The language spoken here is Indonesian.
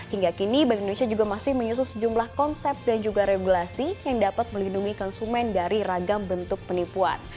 hingga kini bank indonesia juga masih menyusun sejumlah konsep dan juga regulasi yang dapat melindungi konsumen dari ragam bentuk penipuan